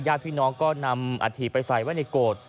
ญาติพี่น้องก็นำอาถิไปใส่ไว้ในโกรธ